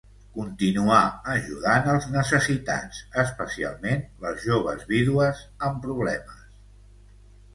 Continuà ajudant els necessitats, especialment les joves vídues amb problemes.